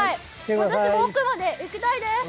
私も奥まで行きたいです。